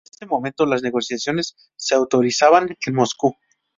En ese momento, las negociaciones se autorizaban en Moscú.